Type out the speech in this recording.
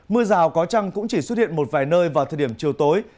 mưa rào có chăng cũng chỉ xuất hiện một vài nơi vào thời điểm chiều tối